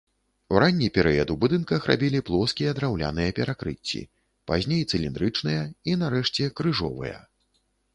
У ранні перыяд у будынках рабілі плоскія драўляныя перакрыцці, пазней цыліндрычныя і, нарэшце, крыжовыя.